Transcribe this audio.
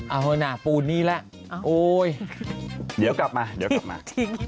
เอาเถอะนะปูนี้แหละโอ๊ยทิ้งเดี๋ยวกลับมาเดี๋ยวกลับมา